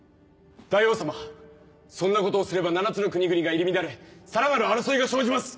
大王様そんなことをすれば７つの国々が入り乱れさらなる争いが生じます！